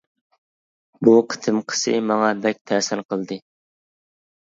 بۇ قېتىمقىسى ماڭا بەك تەسىر قىلدى.